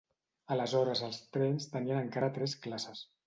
Aleshores els trens tenien encara tres classes.